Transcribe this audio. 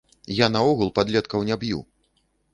Я наогул падлеткаў не б'ю.